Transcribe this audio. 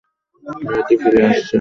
মেয়েটি ফিরে আসছে।